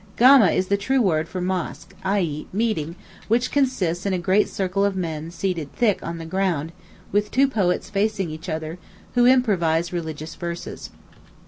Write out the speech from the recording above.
Gama is the true word for Mosque—i.e., Meeting, which consists in a great circle of men seated thick on the ground, with two poets facing each other, who improvise religious verses.